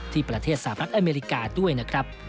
ที่ประเทศสหรัฐอเมริกาด้วยนะครับ